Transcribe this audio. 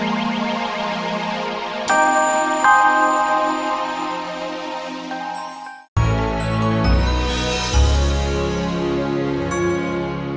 jangan lupa like share dan subscribe ya